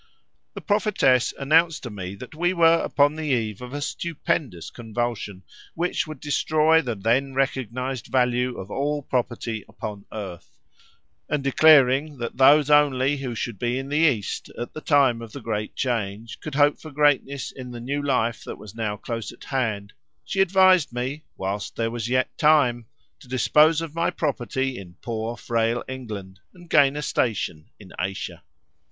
The prophetess announced to me that we were upon the eve of a stupendous convulsion, which would destroy the then recognised value of all property upon earth; and declaring that those only who should be in the East at the time of the great change could hope for greatness in the new life that was now close at hand, she advised me, whilst there was yet time, to dispose of my property in poor frail England, and gain a station in Asia.